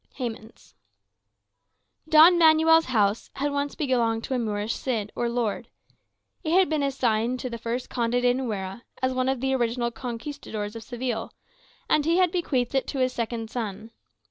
Hemans Don Manuel's house had once belonged to a Moorish Cid, or lord. It had been assigned to the first Conde de Nuera, as one of the original conquistadors of Seville; and he had bequeathed it to his second son.